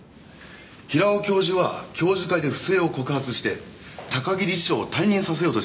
平尾教授は教授会で不正を告発して高木理事長を退任させようとしたんです。